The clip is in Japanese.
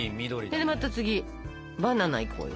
それでまた次バナナいこうよ。